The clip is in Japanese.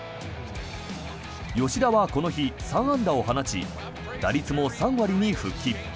吉田はこの日、３安打を放ち打率も３割に復帰。